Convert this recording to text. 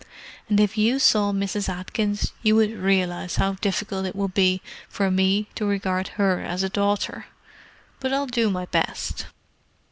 And if you saw Mrs. Atkins you would realize how difficult it would be for me to regard her as a daughter. But I'll do my best."